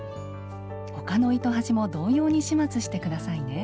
他の糸端も同様に始末してくださいね。